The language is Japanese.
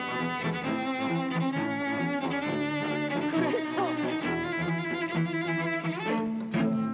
苦しそう。